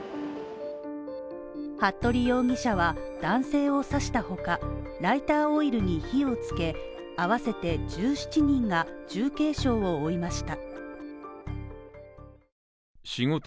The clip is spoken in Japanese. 服部容疑者は男性を刺したほか、ライターオイルに火をつけ、あわせて１７人が重軽傷を負いました。